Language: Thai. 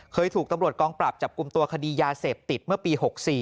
เคยถูกตำรวจกองปรับจับกลุ่มตัวคดียาเสพติดเมื่อปี๖๔